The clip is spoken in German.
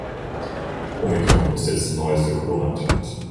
Omikron ist jetzt der neueste Corona Trend.